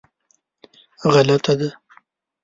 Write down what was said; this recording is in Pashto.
هره برخه د دې پراخه نړۍ کې ځانګړي ارزښتونه لري.